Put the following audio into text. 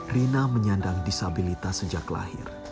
rina menyandang disabilitas sejak lahir